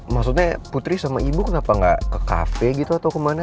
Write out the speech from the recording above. maksudnya putri sama ibu kenapa nggak ke cafe gitu atau kemana